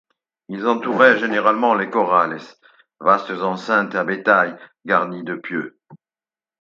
Ils entouraient généralement les « corrales, » vastes enceintes à bétail garnies de pieux.